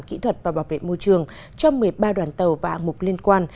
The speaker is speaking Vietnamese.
kỹ thuật và bảo vệ môi trường cho một mươi ba đoàn tàu và hạng mục liên quan